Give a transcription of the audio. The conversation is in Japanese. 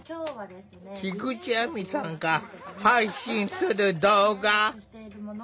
菊地亜美さんが配信する動画。